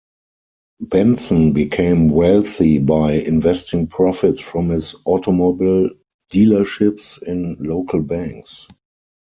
Benson became wealthy by investing profits from his automobile dealerships in local banks.